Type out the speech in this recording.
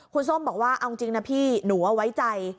คุณส้มบอกว่าเอาจริงนะพี่หนูเอาไว้ใจ